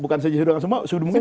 bukan saja sudah langsung bangun